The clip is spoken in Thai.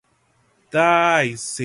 ได้สิ